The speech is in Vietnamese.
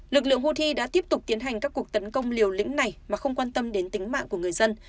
lực lượng houthi đã tiếp tục tiến hành các cuộc tấn công liều lĩnh này mà không quan tâm đến tính mạng của người dân